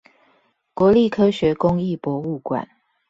國立科學工藝博物館